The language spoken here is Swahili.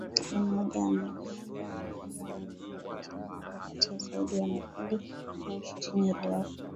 ni mmoja ya makundi yanayofanya ukatili mkubwa kati ya zaidi ya makundi mia ishirini yaliyopo